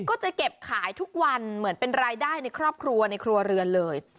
ก็จะเก็บขายทุกวันเหมือนเป็นรายได้ในครอบครัวในครัวเรือนเลย